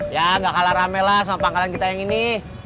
ya gak kalah rame lah sama pangkalan kita yang ini